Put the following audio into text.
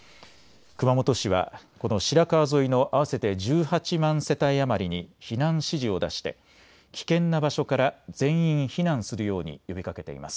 熊本市は白川沿いの合わせて１８万世帯余りに避難指示を出して危険な場所から全員避難するように呼びかけています。